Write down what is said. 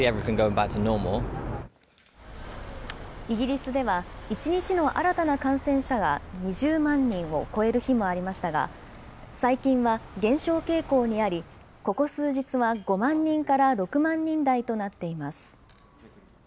イギリスでは、１日の新たな感染者が２０万人を超える日もありましたが、最近は減少傾向にあり、ここ数日は５万人から６万人台となっています。